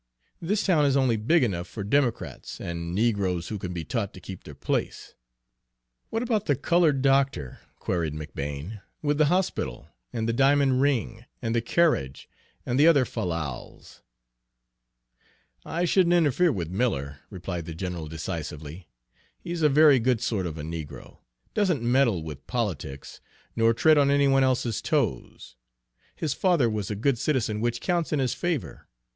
This town is only big enough for Democrats, and negroes who can be taught to keep their place." "What about the colored doctor," queried McBane, "with the hospital, and the diamond ring, and the carriage, and the other fallals?" "I shouldn't interfere with Miller," replied the general decisively. "He's a very good sort of a negro, doesn't meddle with politics, nor tread on any one else's toes. His father was a good citizen, which counts in his favor.